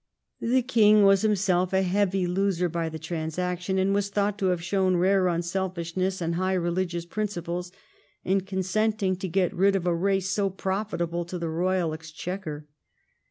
The king was himself a heavy loser by the transaction, and was thought to have shown rare unselfishness and high religious principle in consenting to get rid of a race so profitable to the royal exchequer.